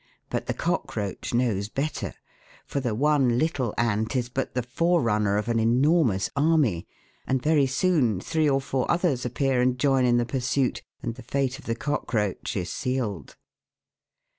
But the cockroach knows better, for the one little ant is but the forerunner of an enormous army, and very soon three or four others appear and join in the pursuit, and the fate of the cockroach is sealed.